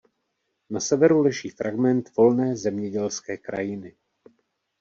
Na severu leží fragment volné zemědělské krajiny.